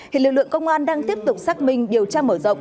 hiện lực lượng công an đang tiếp tục xác minh điều tra mở rộng